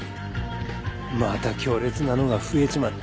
また強烈なのが増えちまった。